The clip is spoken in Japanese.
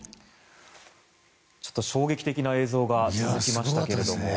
ちょっと衝撃的な映像が届きましたが。